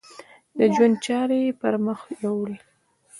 د ژوند چارې یې پر مخ یوړې.